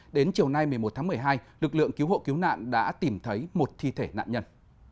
đến chiều nay một mươi một tháng một mươi hai lực lượng cứu hộ cứu nạn đã tìm thấy một thi thể nạn nhân